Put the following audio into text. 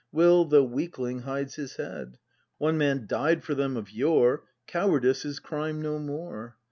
Will, the weakling, hides his head; — One man died for them of yore, — Cowardice is crime no more!